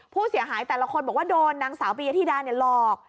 ผู้เสียหายแต่ละคนบอกว่าโดนนางสาวปียธิดาหลอก